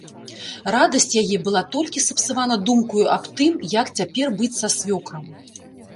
Радасць яе была толькі сапсавана думкаю аб тым, як цяпер быць са свёкрам.